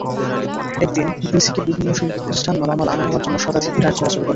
প্রতিদিন বিসিকের বিভিন্ন শিল্পপ্রতিষ্ঠানে মালামাল আনা-নেওয়া জন্য শতাধিক ট্রাক চলাচল করে।